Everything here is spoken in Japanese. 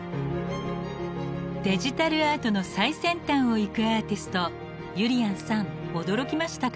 デジタルアートの最先端を行くアーティストゆりやんさん驚きましたか？